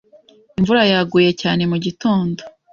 Imvura yaguye cyane mugitondo.